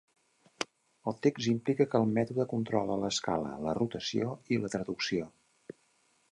El text implica que el mètode controla l'escala, la rotació i la traducció.